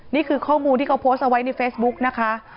นี่คือข้อมูลที่เขาโพสต์เอาไว้ในเฟซบุ๊กนะคะ